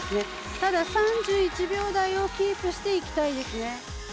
ただ、３１秒台をキープしていきたいですね。